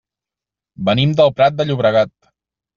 Venim del Prat de Llobregat.